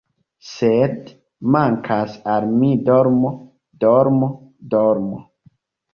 ♫ Sed mankas al mi dormo, dormo, dormo ♫